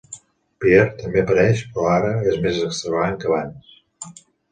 Pierre també apareix, però ara és més extravagant que abans.